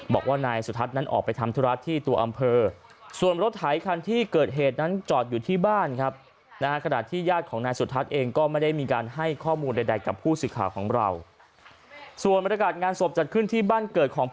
บอกว่านายสุธัสนั้นออกไปทำธุรักษ์ที่ตัวอำเภอ